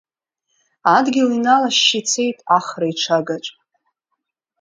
Адгьыл иналашьшь ицеит Ахра иҽагаҿ.